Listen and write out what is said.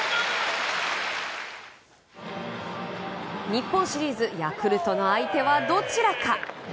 日本シリーズヤクルトの相手はどちらか。